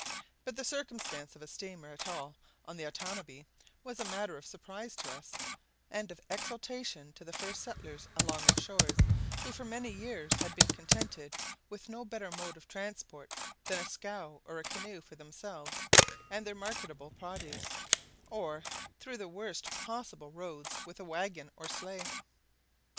But the circumstance of a steamer at all on the Otanabee was a matter of surprise to us, and of exultation to the first settlers along its shores, who for many years had been contented with no better mode of transport than a scow or a canoe for themselves and their marketable produce, or through the worst possible roads with a waggon or sleigh.